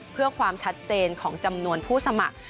เพื่อความชัดเจนของจำนวนผู้สมัคร